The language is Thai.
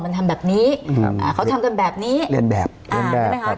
มันทำแบบนี้อืมอ่าเขาทำจำแบบนี้เรียนแบบอ่าใช่ไหมคะ